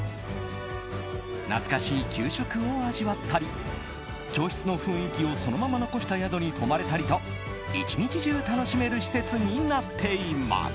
懐かしい給食を味わったり教室の雰囲気をそのまま残した宿に泊まれたりと１日中楽しめる施設になっています。